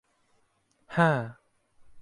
ฮ่า !